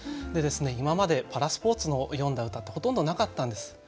で今までパラスポーツの詠んだ歌ってほとんどなかったんです。